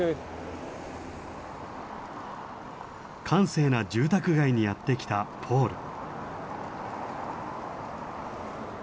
閑静な住宅街にやって来たポール。